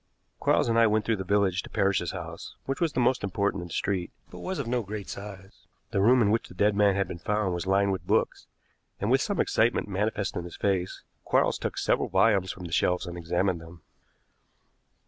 Quarles and I went through the village to Parrish's house, which was the most important in the street, but was of no great size. The room in which the dead man had been found was lined with books, and, with some excitement manifest in his face, Quarles took several volumes from the shelves and examined them.